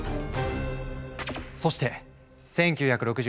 そして１９６１年４月。